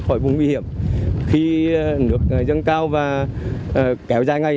khỏi vùng nguy hiểm khi nước dâng cao và kéo dài ngay